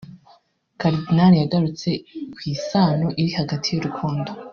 Karidinali yagarutse ku isano iri hagati y’urukundo